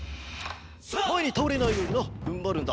まえにたおれないようになふんばるんだ。